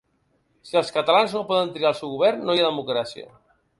Si els catalans no poden triar el seu govern no hi ha democràcia.